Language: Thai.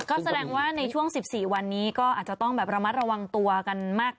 ก็แสดงว่าในช่วง๑๔วันนี้ก็อาจจะต้องแบบระมัดระวังตัวกันมาก